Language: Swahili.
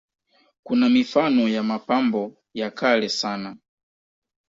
Kuna mifano ya mapambo ya kale sana.